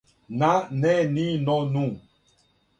на , не , ни , но , ну